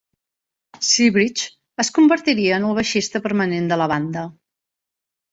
Siebricht es convertiria en el baixista permanent de la banda.